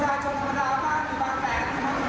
เรี่ยงเหมือนไม่ได้ในตอนครั้งที่๓บนคาง